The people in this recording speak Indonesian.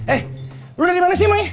eh lu dari mana sih mai